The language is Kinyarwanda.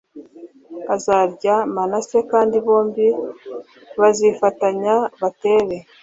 Azarya manase kandi bombi bazifatanya batere